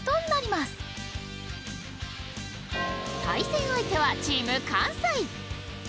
対戦相手はチーム関西。